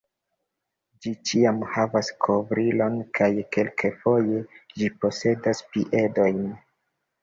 Ĝi ĉiam havas kovrilon kaj kelkfoje ĝi posedas piedojn.